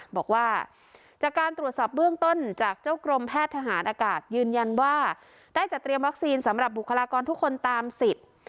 บอกว่าจากการตรวจสอบเบื้องต้นจากเจ้ากรมแพทย์ทหารอากาศยืนยันว่าได้จัดเตรียมวัคซีนสำหรับบุคลากรทุกคนตามสิทธิ์